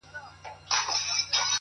• د واه , واه يې باندي جوړ كړل بارانونه,